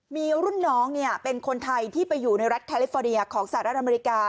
มีรุ่นน้องเป็นคนไทยที่ไปอยู่ในรัฐแคลิฟอเดียของสหรัฐอเมริกา